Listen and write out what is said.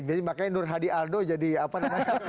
jadi makanya nur hadi aldo jadi apa namanya